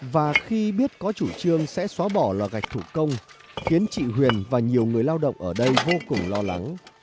và khi biết có chủ trương sẽ xóa bỏ lò gạch thủ công khiến chị huyền và nhiều người lao động ở đây vô cùng lo lắng